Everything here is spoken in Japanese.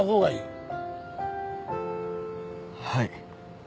はい。